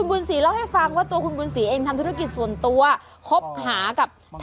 กำลังจะถามมีกระป๋องไหม